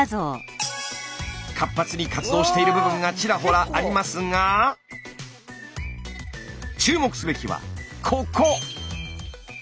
活発に活動している部分がちらほらありますが注目すべきはここ！